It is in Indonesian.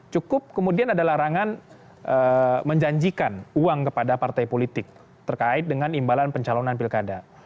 cukup kemudian ada larangan menjanjikan uang kepada partai politik terkait dengan imbalan pencalonan pilkada